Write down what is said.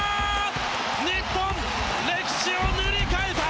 日本、歴史を塗り替えた！